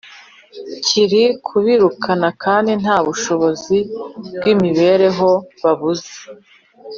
kiri kubirukana kandi nta bushobozi bw’imibereho babuze.